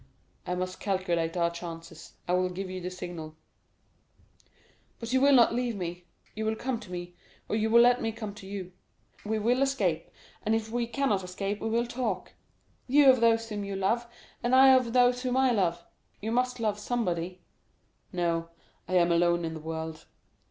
"I must calculate our chances; I will give you the signal." "But you will not leave me; you will come to me, or you will let me come to you. We will escape, and if we cannot escape we will talk; you of those whom you love, and I of those whom I love. You must love somebody?" "No, I am alone in the world."